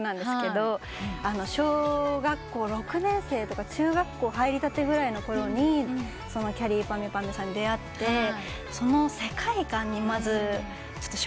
小学校６年生とか中学校入りたてぐらいのころにきゃりーぱみゅぱみゅさんに出会ってその世界観にまず衝撃を受けて。